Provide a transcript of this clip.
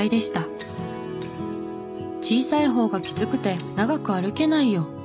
「小さい方がきつくて長く歩けないよ」。